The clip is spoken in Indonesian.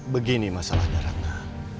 begini masalahnya radna